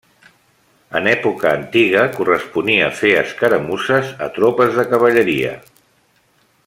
En època antiga corresponia fer escaramusses a tropes de cavalleria.